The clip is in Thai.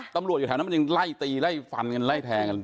ตำรวจอยู่แถวนั้นมันยังไล่ตีไล่ฝันไล่แทงกัน